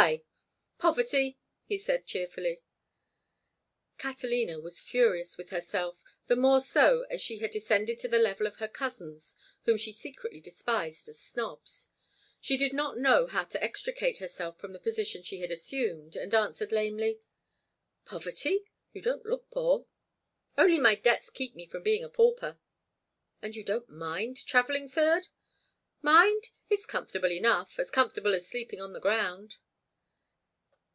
Why?" "Poverty," he said, cheerfully. Catalina was furious with herself, the more so as she had descended to the level of her cousins, whom she secretly despised as snobs. She did not know how to extricate herself from the position she had assumed, and answered, lamely: "Poverty? You don't look poor." "Only my debts keep me from being a pauper." "And you don't mind travelling third?" "Mind? It's comfortable enough; as comfortable as sleeping on the ground."